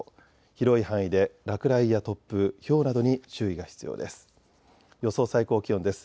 広い範囲で落雷や突風、ひょうなどに注意が必要です。